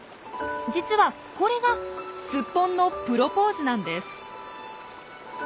実はこれがスッポンのプロポーズなんです。